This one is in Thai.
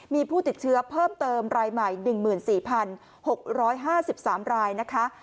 มีผู้ติดเชื้อเพิ่มเติมรายใหม่หนึ่งหมื่นสี่พันหกร้อยห้าสิบสามรายนะคะ